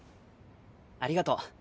ありがとう。